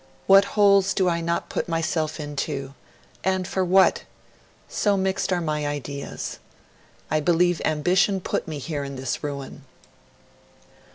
What holes do I not put myself into! And for what? So mixed are my ideas. I believe ambition put me here in this ruin.'